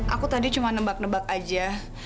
aku tadi cuma nebak nebak aja